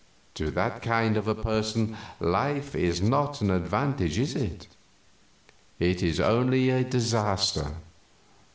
To that kind of a person life is not an advantage, is it? It is only a disaster.